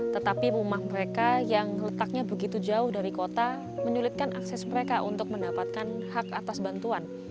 tetapi rumah mereka yang letaknya begitu jauh dari kota menyulitkan akses mereka untuk mendapatkan hak atas bantuan